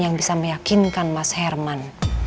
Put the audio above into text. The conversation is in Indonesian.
yang bisa meyakinkan mas herman